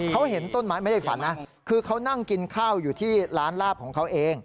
เขาเห็นต้นไม้ไม่ได้ฝันนะคือเขานั่งกินข้าวอยู่ที่ร้านลาบของเขาเอง